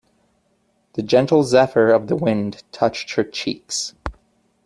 The gentle zephyr of the wind touched her cheeks.